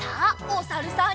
おさるさん。